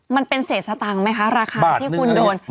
มันเป็นเศษสตังค์ไหมคะราคาที่คุณโดน